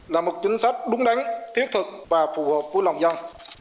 là một chính sách đúng đắn thiết thực và phù hợp với lòng dân